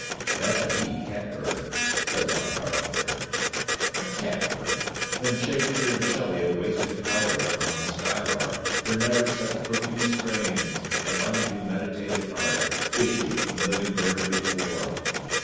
"That's a he catbird," says my carpenter. A catbird? Then Shakespeare and Shelley have wasted powder upon the skylark; for never such "profuse strains of unpremeditated art" issued from living bird before.